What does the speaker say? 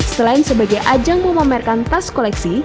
selain sebagai ajang memamerkan tas koleksi